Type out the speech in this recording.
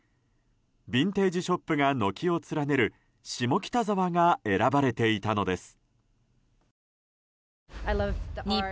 ビンテージショップが軒を連ねる下北沢が選ばれていたのです。